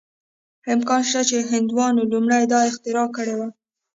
امکان شته چې هندوانو لومړی دا اختراع کړې وه.